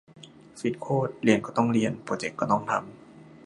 ฟิตโคตร เรียนก็ต้องเรียน โปรเจกต์ก็ต้องทำ